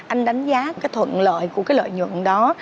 anh đánh giá cái thuận lợi của cái lợi nhuận đó